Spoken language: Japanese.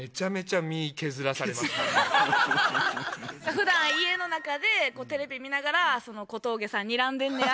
普段家の中でテレビ見ながら小峠さんにらんでんねや。